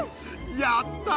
やった！